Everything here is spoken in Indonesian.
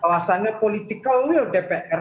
bahwasannya political will dpr